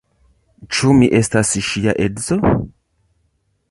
Ĉu mi ne estas ŝia edzo?